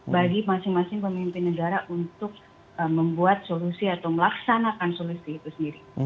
bagi masing masing pemimpin negara untuk membuat solusi atau melaksanakan solusi itu sendiri